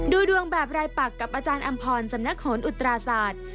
ดูดวงแบบรายปักกับอาจารย์อำพรสำนักโหนอุตราศาสตร์